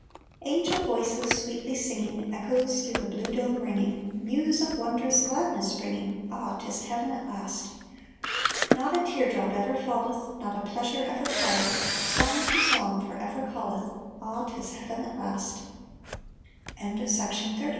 " Angel voices sweetly singing, Echoes through the bine dome ringing, News of wondrous gladness bringing, Ah, 'tis heaven at last ! "Not a tear drop ever falleth, Not a pleasure ever palleth, Song to song forever calleth; Ah, 'tis heave